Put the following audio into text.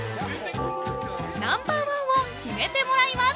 ［ナンバーワンを決めてもらいます］